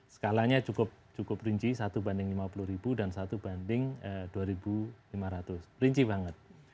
skalanya cukup rinci satu banding lima puluh ribu dan satu banding dua lima ratus rinci banget